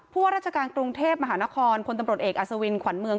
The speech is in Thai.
ว่าราชการกรุงเทพมหานครพลตำรวจเอกอัศวินขวัญเมือง